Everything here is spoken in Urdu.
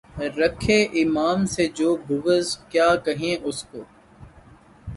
رکھے امام سے جو بغض، کیا کہیں اُس کو؟